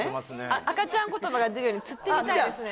赤ちゃん言葉が出るように釣ってみたいですね